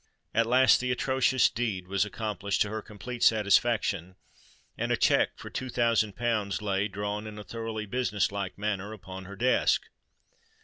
At last the atrocious deed was accomplished to her complete satisfaction; and a cheque for two thousand pounds lay, drawn in a thoroughly business like manner, upon her desk!